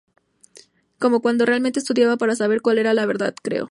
Como cuando realmente estudiaba para saber cual era la verdad, creo.